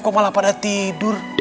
kok malah pada tidur